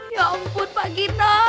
ya ampun pak gino